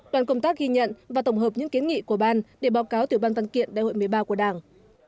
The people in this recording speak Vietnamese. đoàn công tác ghi nhận và tổng hợp những kiến nghị của ban để báo cáo tiểu ban văn kiện đại hội một mươi ba của đảng